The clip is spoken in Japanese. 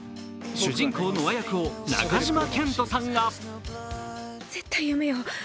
主人公ノア役を中島健人さんが。